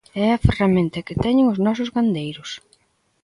É a ferramenta que teñen os nosos gandeiros.